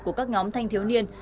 của các nhóm thanh thiếu niên